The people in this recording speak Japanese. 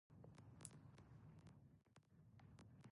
「覆水盆に返らず」って言うけど、取り返しのつかないことなんて本当にあるのかな。